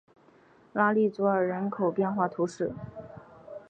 拉利佐尔人口变化图示